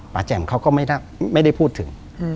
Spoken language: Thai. แจ่มเขาก็ไม่ได้พูดถึง